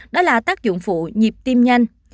đó là tác dụng phụ nhịp tiêm nhanh